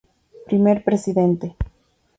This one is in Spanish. Primer Presidente.